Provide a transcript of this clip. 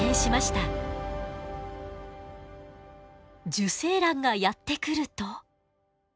受精卵がやって来ると。